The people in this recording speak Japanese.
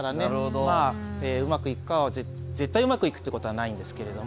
まあうまくいくかは絶対うまくいくってことはないんですけれども。